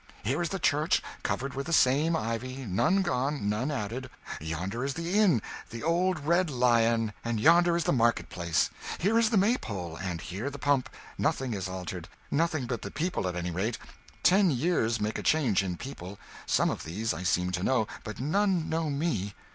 "Here is the church covered with the same ivy none gone, none added." "Yonder is the inn, the old Red Lion, and yonder is the market place." "Here is the Maypole, and here the pump nothing is altered; nothing but the people, at any rate; ten years make a change in people; some of these I seem to know, but none know me."